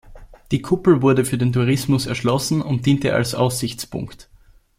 Die Kuppel wurde für den Tourismus erschlossen und diente als Aussichtspunkt.